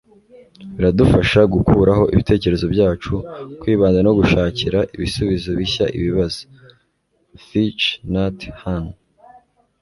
biradufasha gukuraho ibitekerezo byacu, kwibanda, no gushakira ibisubizo bishya ibibazo. - thich nhat hanh